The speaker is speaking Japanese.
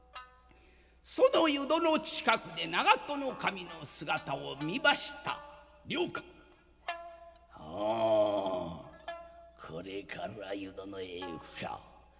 その湯殿近くで長門守の姿を見ました良寛「はあこれから湯殿へ行くか。